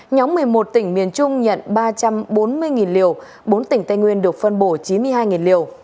nhóm một mươi một tỉnh miền trung nhận ba trăm bốn mươi liều bốn tỉnh tây nguyên được phân bổ chín mươi hai liều